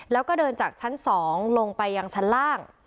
แล้วก็เดินจากชั้น๒ลงไปยังชั้นล่าง